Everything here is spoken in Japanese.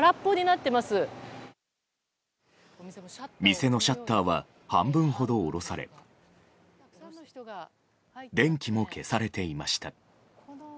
店のシャッターは半分ほど下ろされ電気も消されていました。